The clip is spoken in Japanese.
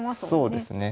そうですね。